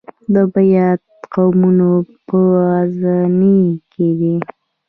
د بیات قومونه په غزني کې دي